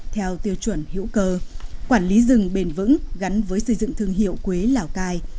theo tiêu chuẩn hữu cơ quản lý rừng bền vững gắn với xây dựng thương hiệu quế lào cai